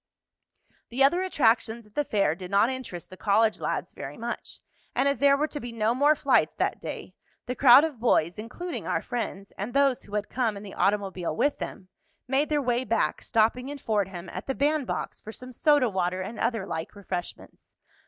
The other attractions at the fair did not interest the college lads very much, and as there were to be no more flights that day the crowd of boys, including our friends and those who had come in the automobile with them, made their way back, stopping in Fordham at the "Band Box" for some soda water and other like refreshments.